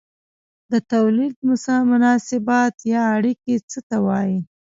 د توليد مناسبات یا اړیکې څه ته وايي؟